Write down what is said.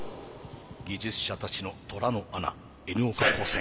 技術者たちの虎の穴Ｎ岡高専。